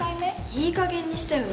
いいかげんにしてよね。